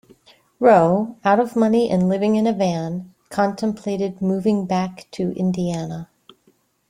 Roe, out of money and living in a van, contemplated moving back to Indiana.